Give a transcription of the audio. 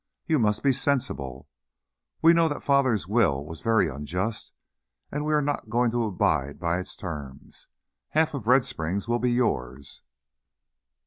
You must be sensible. We know that Father's will was very unjust, and we are not going to abide by its terms half of Red Springs will be yours."